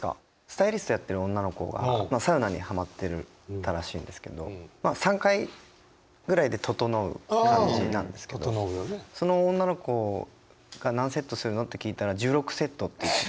スタイリストやってる女の子がサウナにハマってたらしいんですけどまあ３回ぐらいでととのう感じなんですけどその女の子が何セットするの？って聞いたら１６セットって。